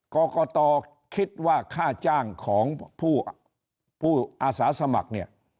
กรกตคิดว่าค่าจ้างของผู้อาสาสมัครเนี่ย